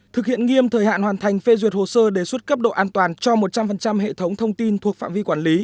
thực hiện nghiêm thời hạn hoàn thành phê duyệt hồ sơ đề xuất cấp độ an toàn cho một trăm linh hệ thống thông tin thuộc phạm vi quản lý